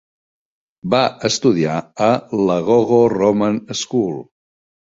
Va estudiar a l'Agogo Roman School.